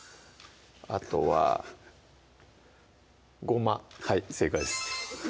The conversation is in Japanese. あとはごまはい正解です